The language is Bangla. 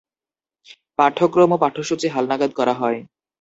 পাঠ্যক্রম ও পাঠ্যসূচি হালনাগাদ করা হয়।